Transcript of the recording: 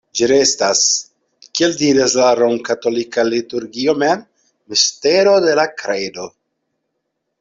Ĝi restas, kiel diras la romkatolika liturgio mem, "mistero de la kredo".